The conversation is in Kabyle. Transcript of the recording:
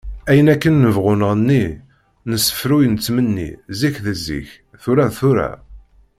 Ay akken nebɣu nɣenni, nessefruy nettmenni, zik d zik, tura d tura.